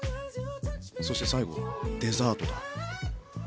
そして最後デザートだ。